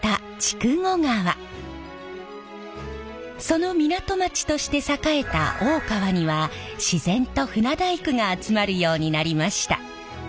その港町として栄えた大川には自然と船大工が集まるようになりました。